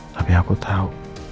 tapi aku tau